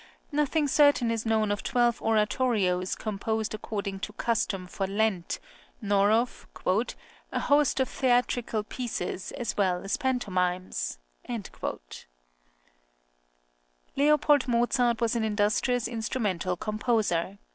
Nothing certain is known of twelve oratorios composed according to custom for Lent, nor of "a host of theatrical pieces, as well as pantomimes." L. Mozart was an industrious instrumental composer.